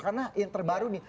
karena yang terbaru nih